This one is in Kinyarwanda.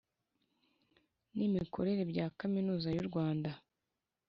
n imikorere bya Kaminuza y u Rwanda